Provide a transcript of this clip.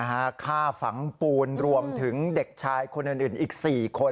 ฆ่าฝังปูนรวมถึงเด็กชายคนอื่นอีก๔คน